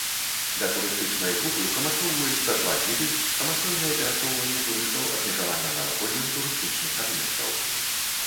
Да турыстычнай групы прымацоўваецца два гіды, самастойнае перасоўванне турыстаў абмежавана наваколлем турыстычных аб'ектаў.